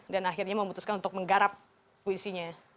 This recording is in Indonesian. dan akhirnya memutuskan untuk menggarap puisinya